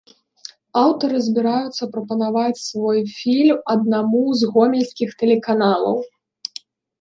Аўтары збіраюцца прапанаваць свой фільм аднаму з гомельскіх тэлеканалаў.